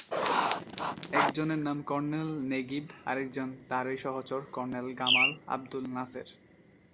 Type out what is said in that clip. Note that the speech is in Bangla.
একজনের নাম কর্নেল নেগিব, আরেকজন তাঁরই সহচর কর্নেল গামাল আবদুল নাসের।